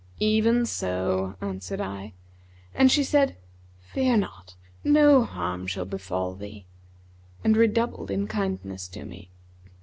'Even so,' answered I, and she said, 'Fear not: no harm shall befall thee,' and redoubled in kindness to me.